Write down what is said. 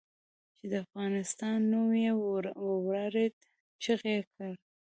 چې د افغانستان نوم یې واورېد چیغې یې کړې.